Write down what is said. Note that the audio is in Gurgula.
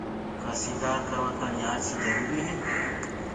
ڪآ سيٚگآر ڪروآ تآڻيٚ آرسيٚ جروُريٚ هي